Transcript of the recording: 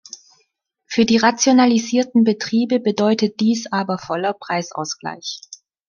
Für die rationalisierten Betriebe bedeutet dies aber voller Preisausgleich.